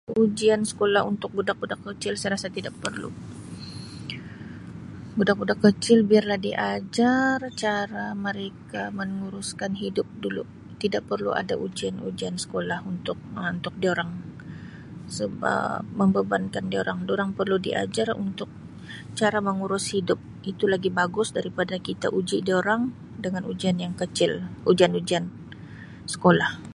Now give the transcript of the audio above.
Ujian sekulah untuk budak-budak kecil saya rasa tidak perlu. Budak-budak kecil biarlah diajar cara mereka menguruskan hidup dulu. Tidak perlu ada ujian-ujian sekulah untuk- Um untuk diorang. Sebab membebankan diorang. Dorang perlu diajar untuk cara mengurus hidup. Itu lagi bagus daripada kita uji diorang dengan ujian yang kecil, ujian-ujian sekolah.